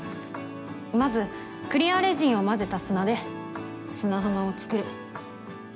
まずクリアレジンを混ぜた砂で砂浜を作る。